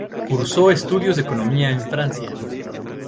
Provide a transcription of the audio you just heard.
Cursó estudios de Economía en Francia.